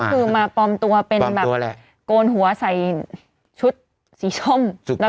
ก็คือมาปลอมตัวเป็นแบบปลอมตัวแหละโกนหัวใส่ชุดสีช้อมสุดต้อง